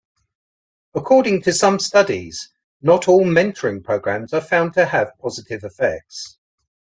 According to some studies, not all mentoring programs are found to have positive effects.